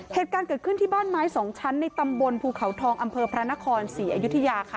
เหตุการณ์เกิดขึ้นที่บ้านไม้สองชั้นในตำบลภูเขาทองอำเภอพระนครศรีอยุธยาค่ะ